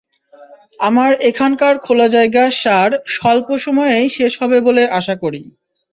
আমার এখানকার খোলা জায়গার সার স্বল্প সময়েই শেষ হবে বলে আশা করি।